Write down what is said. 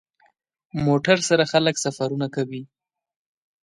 موټر سره خلک سفرونه کوي.